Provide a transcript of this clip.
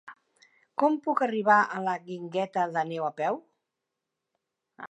Com puc arribar a la Guingueta d'Àneu a peu?